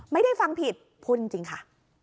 ไม่ได้ฟังผิดพูดจริงค่ะ